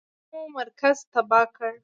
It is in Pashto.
د فعالیتونو مرکز تباه کړ.